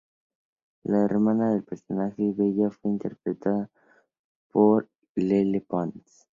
La hermana del personaje, Bella, fue interpretada por Lele Pons.